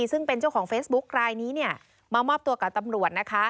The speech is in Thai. ซึ่งเป็นเจ้าของเฟซบุ๊ครายนี้มามอบตัวกับตำรวจนะคะ